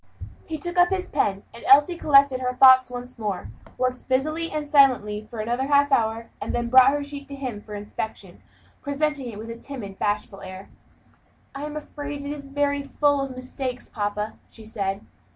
He took up his pen, and Elsie collected her thoughts once more, worked busily and silently for another half hour, and then brought her sheet to him for inspection; presenting it with a timid, bashful air, "I am afraid it is very full of mistakes, papa," she said.